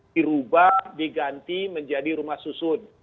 dirubah diganti menjadi rumah susun